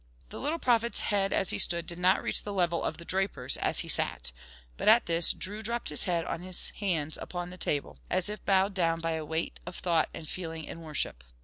The little prophet's head as he stood, did not reach the level of the draper's as he sat, but at this Drew dropped his head on his hands upon the table, as if bowed down by a weight of thought and feeling and worship.